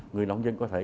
người nông dân có thể